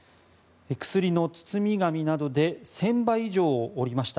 薬の包み紙などで１０００羽以上を作りました。